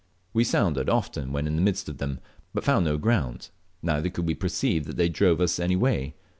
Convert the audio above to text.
We sounded often when in the midst of them, but found no ground, neither could we perceive that they drove us any way.